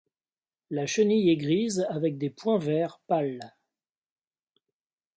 La chenille est grise avec des points vert pâle.